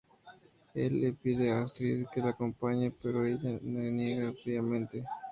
Él le pide a Astrid que lo acompañe, pero ella se niega fríamente.